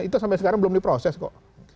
itu sampai sekarang belum diproses kok